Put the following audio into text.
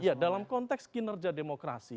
iya dalam konteks kinerja demokrasi